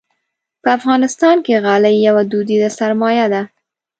په افغانستان کې غالۍ یوه دودیزه سرمایه ده.